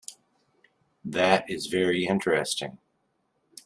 That is very interesting.